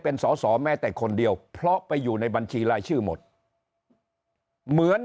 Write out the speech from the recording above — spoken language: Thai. เป็นสอสอแม้แต่คนเดียวเพราะไปอยู่ในบัญชีรายชื่อหมดเหมือน